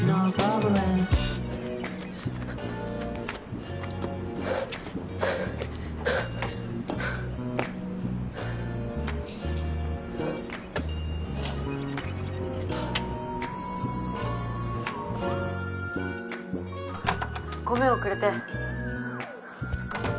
ごめんおくれて。